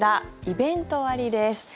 イベント割です。